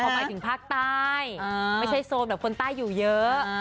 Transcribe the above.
หมายถึงภาคใต้ไม่ใช่โซนแบบคนใต้อยู่เยอะ